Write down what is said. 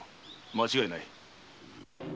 間違いない。